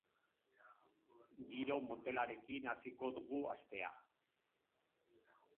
Giro motelarekin hasiko dugu astea.